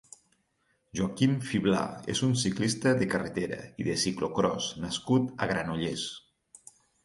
Joaquim Fiblà és un ciclista de carretera i de ciclocròs nascut a Granollers.